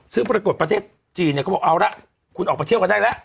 ซึ่งปรากฏประเทศจีนเนี่ยเขาบอกเอาละคุณออกไปเที่ยวกันได้แล้ว